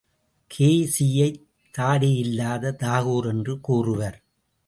K. சியை தாடியில்லாத தாகூர் என்று கூறுவர்.